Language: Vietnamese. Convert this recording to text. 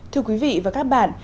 thưa quý vị và các bạn